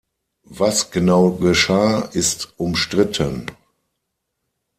Was genau geschah ist umstritten.